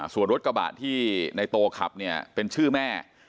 ส่วนรถกระบะที่ในโตขับเนี่ยเป็นชื่อแม่